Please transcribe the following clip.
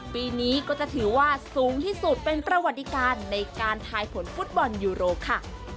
ปีนี้ก็จะถือว่าสูงที่สุดเป็นประวัติการในการทายผลฟุตบอลยูโรค่ะ